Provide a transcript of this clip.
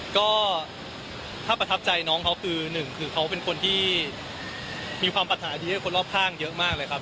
ก็ถ้าประทับใจน้องเขาคือหนึ่งคือเขาเป็นคนที่มีความปัญหาดีให้คนรอบข้างเยอะมากเลยครับ